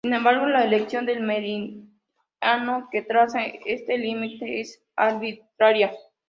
Sin embargo la elección del meridiano que traza este límite es arbitraria.